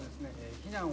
避難をね